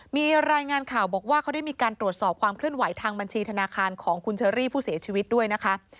มีรายงานข่าวบอกว่าเขาได้มีการตรวจสอบความเคลื่อนไหวทางบัญชีธนาคารของคุณเชอรี่ผู้เสียชีวิตด้วยนะคะ